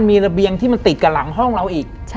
มีระเบียงที่มันติดกับหลังห้องเราอีก